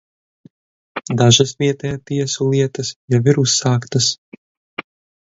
Dažas vietējo tiesu lietas jau ir uzsāktas.